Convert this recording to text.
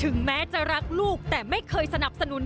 แม้จะรักลูกแต่ไม่เคยสนับสนุน